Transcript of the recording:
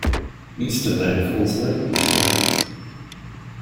Easter Day falls late this year